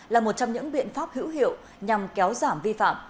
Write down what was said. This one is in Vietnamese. là một trong những biện pháp hữu hiệu nhằm kéo giảm vi phạm